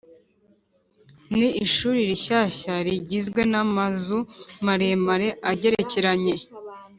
ni ishuri rishya rigizwe n’amazu maremare agerekeranye.